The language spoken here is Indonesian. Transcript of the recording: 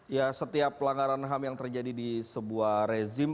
ya setiap pelanggaran ham yang terjadi di sebuah rezim